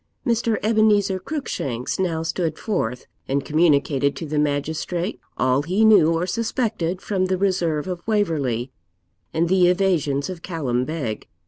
Mr. Ebenezer Cruickshanks now stood forth, and communicated to the magistrate all he knew or suspected from the reserve of Waverley and the evasions of Callum Beg.